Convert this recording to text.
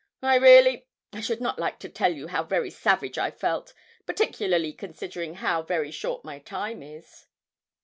I really I should not like to tell you how very savage I felt, particularly considering how very short my time is.'